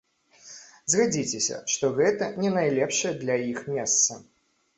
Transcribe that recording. Згадзіцеся, што гэта не найлепшае для іх месца.